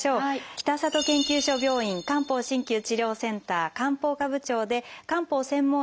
北里研究所病院漢方鍼灸治療センター漢方科部長で漢方専門医の鈴木邦彦さんです。